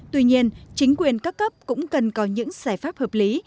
tuy nhiên chính quyền các cấp cũng cần có những giải pháp hợp lý